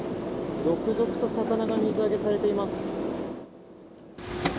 続々と魚が水揚げされています。